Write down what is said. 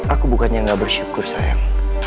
aku bukannya gak bersyukur sayang